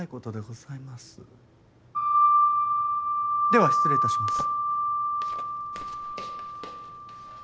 では失礼致します。